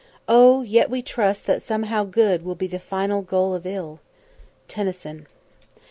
"Oh, yet we trust that somehow good Will be the final goal of ill." TENNYSON.